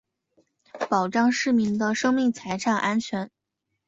保障市民的生命财产安全